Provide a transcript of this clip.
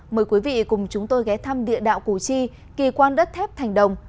mời quý vị cùng chúng tôi ghé thăm địa đạo củ chi kỳ quan đất thép thành đồng